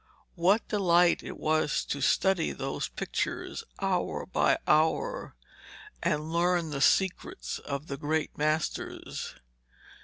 What delight it was to study those pictures hour by hour, and learn the secrets of the great masters.